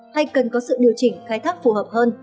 hay cần có sự điều chỉnh khai thác phù hợp hơn